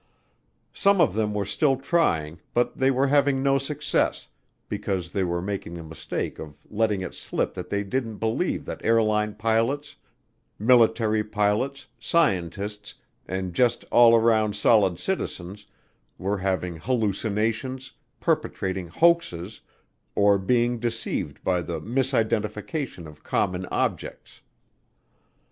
Some of them were still trying but they were having no success because they were making the mistake of letting it slip that they didn't believe that airline pilots, military pilots, scientists, and just all around solid citizens were having "hallucinations," perpetrating "hoaxes," or being deceived by the "misidentification of common objects."